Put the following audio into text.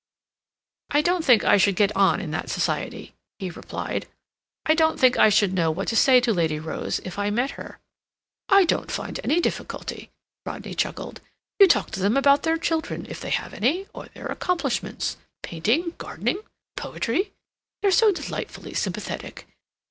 "I don't think I should get on in that society," he replied. "I don't think I should know what to say to Lady Rose if I met her." "I don't find any difficulty," Rodney chuckled. "You talk to them about their children, if they have any, or their accomplishments—painting, gardening, poetry—they're so delightfully sympathetic.